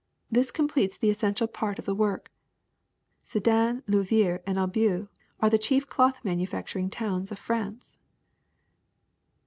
This completes the essential part of the work. Sedan, Louviers, and Ellbeuf are the chief cloth manufacturing towns of France.'